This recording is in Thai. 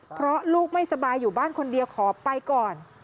เพราะลูกไม่สบายอยู่บ้านคนเดียวขอไปก่อน